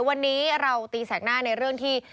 วันนี้เราตีแสกหน้าในเรื่องที่